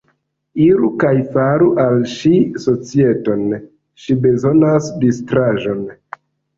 Iru kaj faru al ŝi societon; ŝi bezonas distraĵon.